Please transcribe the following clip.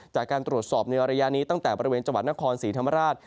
จากการตรวจสอบในระยะนี้ตั้งแต่บริเวณจังหวัดนครศรีธรรมราช